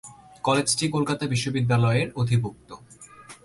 কলেজটি কলকাতা বিশ্ববিদ্যালয়-এর অধিভুক্ত।